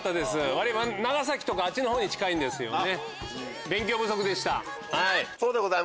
長崎とかあっちの方に近いんですよね。